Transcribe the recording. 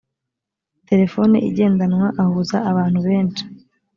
terefoni igendanwa ahuza abantu beshi.